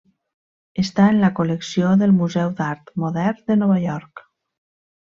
Està en la col·lecció del Museu d'Art Modern de Nova York.